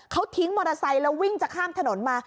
เขาทิ้งมอเตอร์ไซค์แล้ววิ่งจะข้ามถนนมา